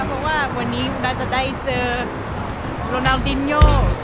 เพราะว่าวันนี้เราจะได้เจอโรนาวดินโย